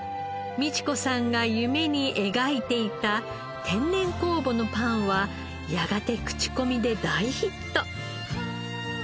美智子さんが夢に描いていた天然酵母のパンはやがて口コミで大ヒット。